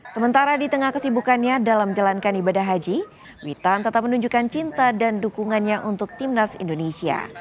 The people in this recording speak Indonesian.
sementara di tengah kesibukannya dalam menjalankan ibadah haji witan tetap menunjukkan cinta dan dukungannya untuk timnas indonesia